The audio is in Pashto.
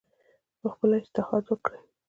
پخپله اجتهاد وکړي